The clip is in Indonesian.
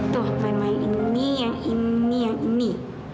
tuh main main ini yang ini yang ini